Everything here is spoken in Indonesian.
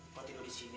pak jikal disini